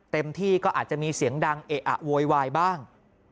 เต็มที่ก็อาจจะมีเสียงดังเอะอะโวยวายบ้าง